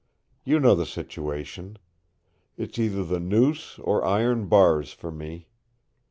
You know the situation. It's either the noose or iron bars for me.